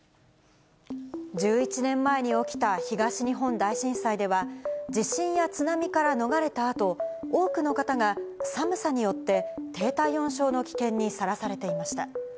１１年前に起きた東日本大震災では、地震や津波から逃れたあと、多くの方が寒さによって低体温症の危険にさらされていました。